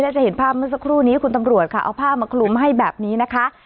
จะเห็นภาพเมื่อสักครู่นี้คุณตำรวจค่ะเอาผ้ามาคลุมให้แบบนี้นะคะ